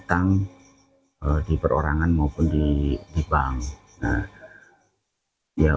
terdengar diperkirakan dengan keterangan utang di perorangan maupun di bank